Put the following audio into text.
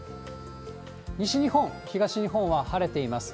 西日本、東日本は晴れています。